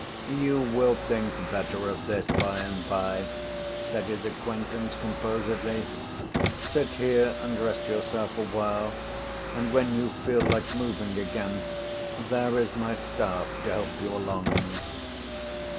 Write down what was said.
"You will think better of this by and by," said his acquaintance, composedly. "Sit here and rest yourself a while; and when you feel like moving again, there is my staff to help you along."